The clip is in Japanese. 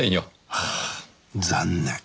はあ残念。